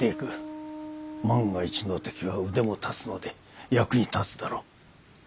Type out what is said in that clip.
万が一のときは腕も立つので役に立つだろう。